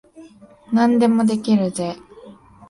何でもできるぜ。